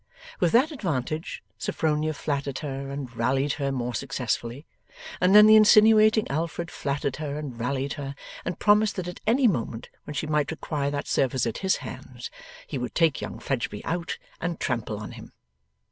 With that advantage, Sophronia flattered her and rallied her more successfully, and then the insinuating Alfred flattered her and rallied her, and promised that at any moment when she might require that service at his hands, he would take young Fledgeby out and trample on him.